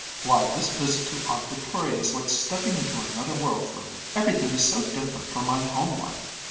"Why, this visit to Aunt Victoria is like stepping into another world for me. Everything is so different from my home life.